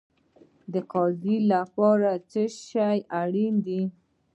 د قاضي لپاره څه شی اړین دی؟